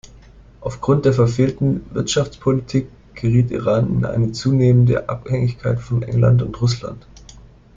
Aufgrund der verfehlten Wirtschaftspolitik geriet Iran in eine zunehmende Abhängigkeit von England und Russland.